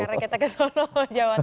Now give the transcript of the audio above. karena kita ke solo jawa tengah